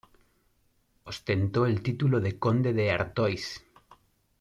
Ostentó el título de "Conde de Artois".